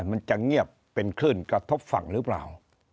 มันจะเงียบเป็นคลื่นกระทบฝั่งหรือเปล่า